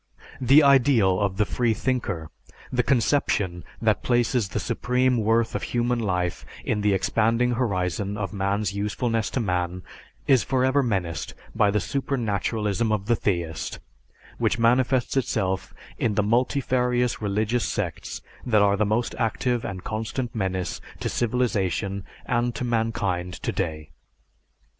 The ideal of the freethinker, the conception that places the supreme worth of human life in the expanding horizon of man's usefulness to man, is forever menaced by the supernaturalism of the theist which manifests itself in the multifarious religious sects that are the most active and constant menace to civilization and to mankind today.